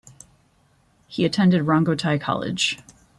He attended Rongotai College.